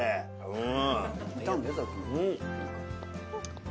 うん。